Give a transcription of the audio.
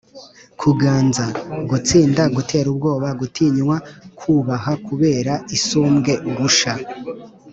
kuganza: gutsinda, gutera ubwoba, gutinywa, kubaha kubera isumbwe urusha